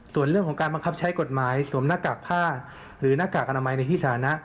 ส่วนเรื่องของการบังคับใช้กฎหมายสวมหน้ากากผ้าหรือหน้ากากอนามัยในที่สาธารณะ